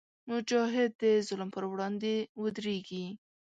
مجاهد د ظلم پر وړاندې ودریږي.